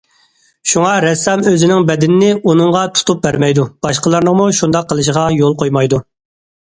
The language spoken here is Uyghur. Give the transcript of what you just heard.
شۇڭا رەسسام ئۆزىنىڭ بەدىنىنى ئۇنىڭغا تۇتۇپ بەرمەيدۇ، باشقىلارنىڭمۇ شۇنداق قىلىشىغا يول قويمايدۇ.